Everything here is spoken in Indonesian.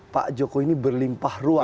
pak jokowi ini berlimpah ruang